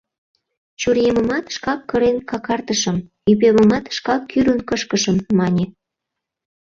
«Чуриемымат шкак кырен какартышым, ӱпемымат шкак кӱрын кышкышым», — мане.